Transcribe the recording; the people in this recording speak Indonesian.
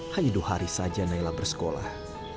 hanya dua hari saja naila bersekolah